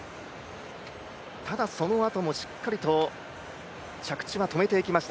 ただ、そのあとも、しっかりと着地はとめていきました。